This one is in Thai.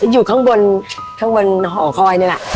อยู่ข้างบนข้างบนหอคอยนี่แหละ